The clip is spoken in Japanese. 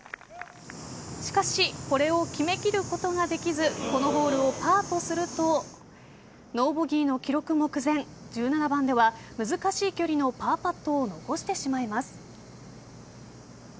しかしこれを決め切ることができずこのホールをパーとするとノーボギーの記録目前１７番では難しい距離のパーパットを残してしまいます。